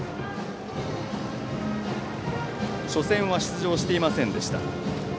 初戦は出場していませんでした。